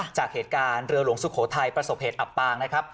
จากเหตุการณ์เรือหลวงสุโขทัยประสบเหตุอับปางนะครับ